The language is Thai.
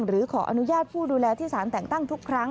หรือขออนุญาตผู้ดูแลที่สารแต่งตั้งทุกครั้ง